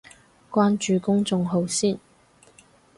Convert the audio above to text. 關注公眾號先